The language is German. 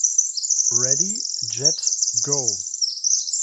Ready Jet Go!